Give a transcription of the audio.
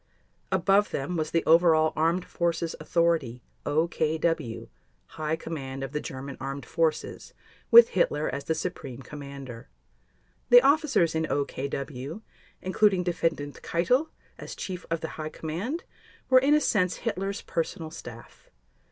Above them was the overall Armed Forces authority, OKW—High Command of the German Armed Forces with Hitler as the Supreme Commander. The officers in OKW, including Defendant Keitel as Chief of the High Command, were in a sense Hitler's personal staff.